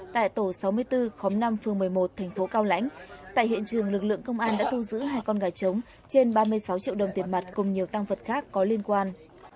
từ khóm năm phường một mươi một tp cao lãnh tại hiện trường lực lượng công an đã thu giữ hai con gà trống trên ba mươi sáu triệu đồng tiền mặt cùng nhiều tăng vật khác có liên quan